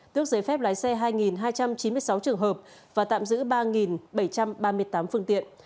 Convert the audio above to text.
tước giấy phép lái xe hai hai trăm chín mươi sáu trường hợp và tạm giữ ba bảy trăm ba mươi tám phương tiện